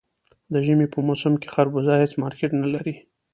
د ژمي په موسم کې خربوزه هېڅ مارکېټ نه لري.